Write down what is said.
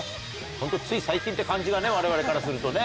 本当、つい最近って感じが、われわれからするとね。